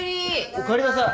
おかえりなさい。